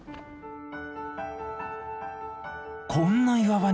こんな岩場に！